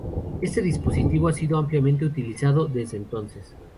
Este dispositivo ha sido ampliamente utilizado desde entonces.